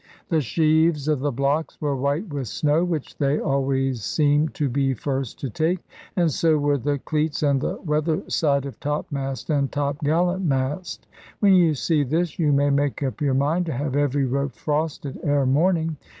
The sheaves of the blocks were white with snow (which they always seem to be first to take), and so were the cleats and the weather side of topmast and top gallant mast. When you see this, you may make up your mind to have every rope frosted ere morning.